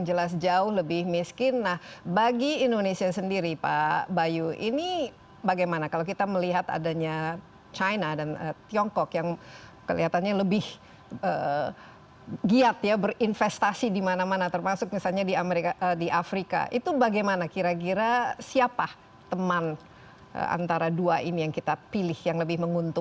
dan kira kira bagi indonesia sendiri apa harapan terbaiknya ke depan dengan hubungan antara indonesia dan amerika serikat